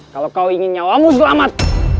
kalau kau ingin nyawamu selamat